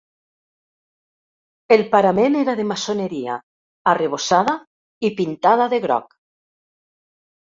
El parament era de maçoneria, arrebossada i pintada de groc.